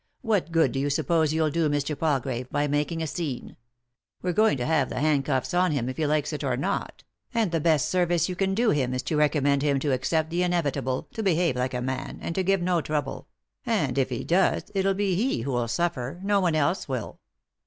What good do you suppose you'll do Mr. Palgrave by making a scene ? We're going to have the handcufls on him if he likes it or not ; and the best service you can do him is to recommend him to accept the in evitable, to behave like a man, and to give no trouble — and if he does it'll be he who'll suffer ; no one else will."